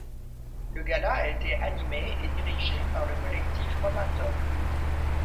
Le gala a été animé et dirigé par le collectif Momentum.